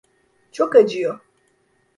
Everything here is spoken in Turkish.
Çok acıyor.